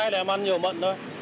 mình có biết là mình ăn được